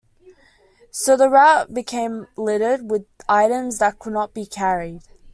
So, the route became littered with items that could not be carried.